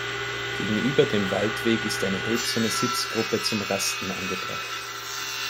Gegenüber dem Waldweg ist eine hölzerne Sitzgruppe zum Rasten angebracht.